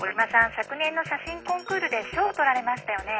昨年の写真コンクールで賞取られましたよね？